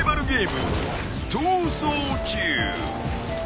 ［逃走中］